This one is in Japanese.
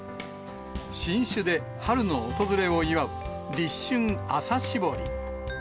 新酒で春の訪れを祝う、立春朝搾り。